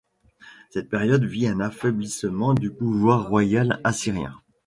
Cette période vit un affaiblissement du pouvoir royal assyrien.